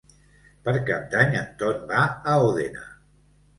Per Cap d'Any en Ton va a Òdena.